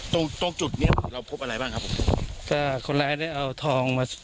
ตรงตรงจุดเนี้ยเราพบอะไรบ้างครับผมก็คนร้ายได้เอาทองมา